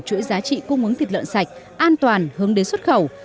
chuỗi giá trị cung ứng thịt lợn sạch an toàn hướng đến xuất khẩu